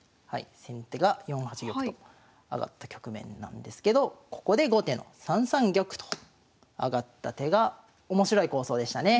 先手が４八玉と上がった局面なんですけどここで後手の３三玉と上がった手が面白い構想でしたね。